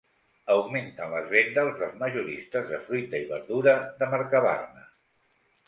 Augmenten les vendes dels majoristes de fruita i verdura de Mercabarna